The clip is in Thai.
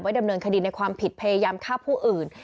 ดำเนินคดีในความผิดพยายามฆ่าผู้อื่น